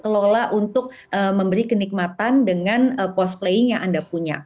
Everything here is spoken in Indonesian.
kelola untuk memberi kenikmatan dengan post playing yang anda punya